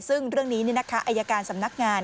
ซึ่งเรื่องนี้เนี่ยนะคะอัยการสำนักงาน